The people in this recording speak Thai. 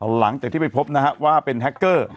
หลังจากที่ไปพบนะฮะว่าเป็นแฮคเกอร์